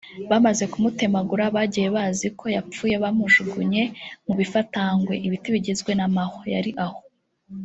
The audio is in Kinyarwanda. Bamaze kumutemagura bagiye bazi ko yapfuye bamujugunya mu mifatangwe (ibiti bigizwe n’amahwa) yari aho